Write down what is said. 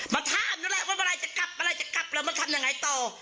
มาทามอยู่แล้วว่าเมื่อไรจะกลับแล้วมาทำอย่างไรต่อ